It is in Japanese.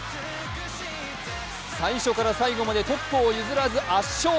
最初から最後までトップを譲らず圧勝。